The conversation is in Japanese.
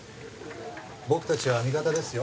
僕たちは味方ですよ。